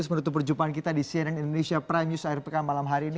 menutup perjumpaan kita di cnn indonesia prime news